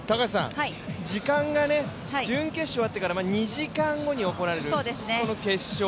時間が準決勝が終わってから２時間後に行われる決勝